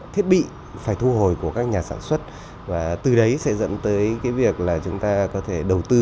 thiết bị phải thu hồi của các nhà sản xuất và từ đấy sẽ dẫn tới cái việc là chúng ta có thể đầu tư